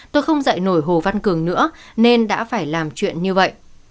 tôi không dạy nổi hồ văn cường nữa nên đã phải làm chuyện như vậy